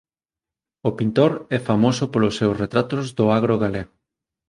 O pintor é famoso polos seus retratos do agro galego.